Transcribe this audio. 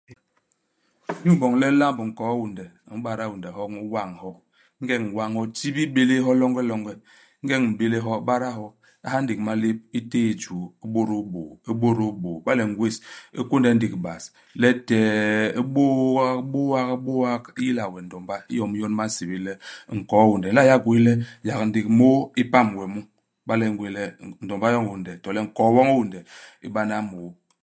Inyu iboñ le u lamb nkoo-hiônde, u m'bada hiônde hyoñ, u wañ hyo. Ingeñ u ñwañ hyo, u tibil bélés hyo longelonge. Ingeñ u m'bélés hyo, u bada hyo, u ha ndék i malép, u téé i juu, u bôdôl bôô, u bôdôl bôô. Iba le u ngwés, u kônde ndék bas. Letee u bôô nga u bôak u bôak, hi yila we ndomba. Iyom i yon ba nsébél le nkoo-hiônde. U nla yak gwés le yak ndék i môô i pam we mu, iba le u ngwés le n ndomba yoñ hiônde, to le nkoo-woñ-hiônde, i bana môô.